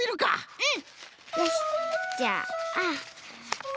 うん。